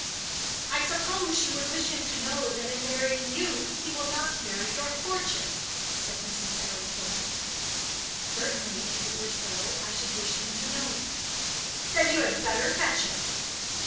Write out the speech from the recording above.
"I suppose you would wish him to know that in marrying you he will not marry your fortune," said Mrs. Arrowpoint. "Certainly; if it were so, I should wish him to know it." "Then you had better fetch him."